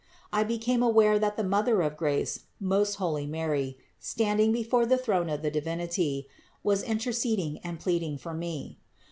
I became aware that the Mother of grace, most holy Mary, standing before the throne of the Divinity, was interceding and pleading for me.